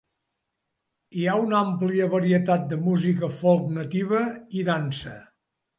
Hi ha una àmplia varietat de música folk nativa i dansa.